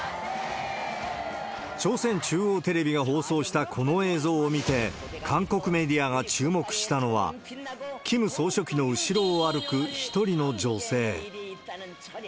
朝鮮中央テレビが放送したこの映像を見て、韓国メディアが注目したのは、キム総書記の後ろを歩く１人の女性。